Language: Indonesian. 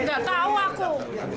gak tau aku